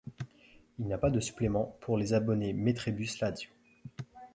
Il n'y a pas de supplément pour les abonnés Metrebus Lazio.